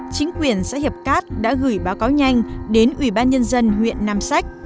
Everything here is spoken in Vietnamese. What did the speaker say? chính quyền xã hiệp cát đã gửi báo cáo nhanh đến ủy ban nhân dân huyện nam sách